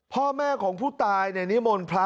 พ่อแม่ของผู้ตายนิมนต์พระ